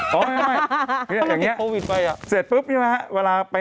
ป้องปิดรองเท้ากันเมื่อไหมครับพี่